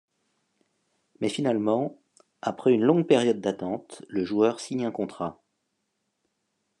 Mais finalement, après une longue période d'attente, le joueur signe un contrat.